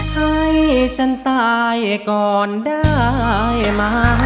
ให้ฉันตายก่อนได้มา